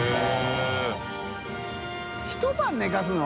一晩寝かすの？